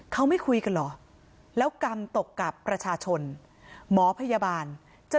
เขาไม่คุยกันเหรอแล้วกรรมตกกับประชาชนหมอพยาบาลจะ